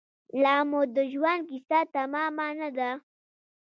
لامو د ژوند کیسه تمامه نه ده